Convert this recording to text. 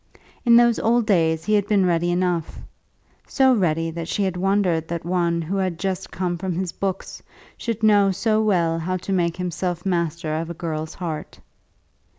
In those old days he had been ready enough, so ready, that she had wondered that one who had just come from his books should know so well how to make himself master of a girl's heart.